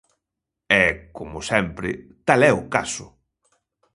E, como sempre, tal é o caso.